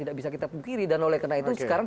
tidak bisa kita pungkiri dan oleh karena itu sekarang